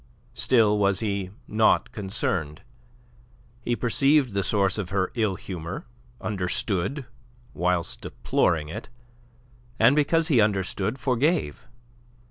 Still was he not concerned. He perceived the source of her ill humour; understood, whilst deploring it; and, because he understood, forgave.